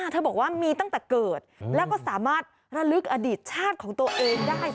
เธอบอกว่ามีตั้งแต่เกิดแล้วก็สามารถระลึกอดีตชาติของตัวเองได้